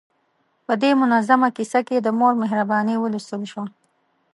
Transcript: په دې منظومه کیسه کې د مور مهرباني ولوستل شوه.